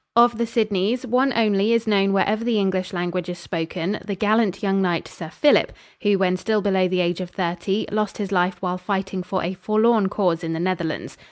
Of the Sidneys, one only is known wherever the English language is spoken the gallant young knight, Sir Philip, who, when still below the age of thirty, lost his life while fighting for a forlorn cause in the Netherlands.